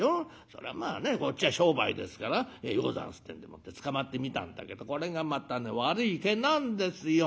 そらまあねこっちは商売ですから『ようござんす』ってんでもってつかまってみたんだけどこれがまた悪い毛なんですよ。